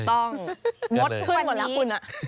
ถูกต้องมดขึ้นหมดละคุณอะ